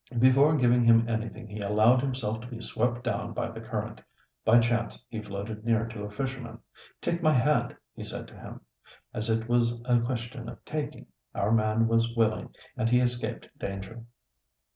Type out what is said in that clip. Before giving him anything he allowed himself to be swept down by the current. By chance he floated near to a fisherman: 'Take my hand!' he said to him. As it was a question of taking, our man was willing, and he escaped danger."